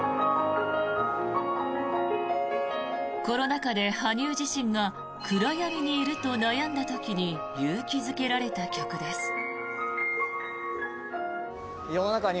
コロナ禍で羽生自身が暗闇にいると悩んだ時に勇気付けられた曲です。